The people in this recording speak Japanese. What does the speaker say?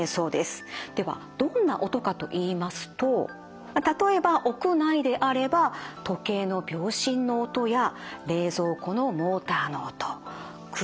ではどんな音かといいますと例えば屋内であれば時計の秒針の音や冷蔵庫のモーターの音空調の音など。